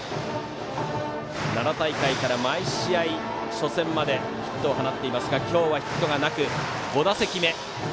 奈良大会から毎試合、初戦までヒットを放っていますが今日はヒットがなく５打席目。